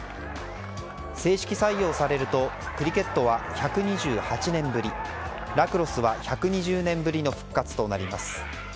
正式採用されるとクリケットは１２８年ぶりラクロスは１２０年ぶりの復活となります。